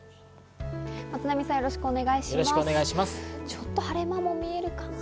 ちょっと晴れ間も見えるかな？